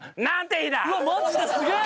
うわマジですげえ！